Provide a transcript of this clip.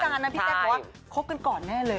แล้วพี่แจ๊คบอกครบกันก่อนแน่เลย